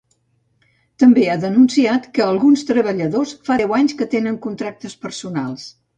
També ha denunciat que alguns treballadors fa deu anys que tenen contractes personals.